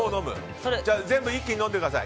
じゃあ一気に飲んでください。